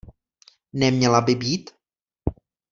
Neměla by být?